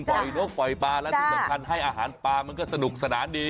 นกปล่อยปลาและที่สำคัญให้อาหารปลามันก็สนุกสนานดี